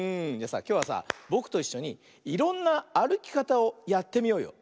きょうはさぼくといっしょにいろんなあるきかたをやってみようよ。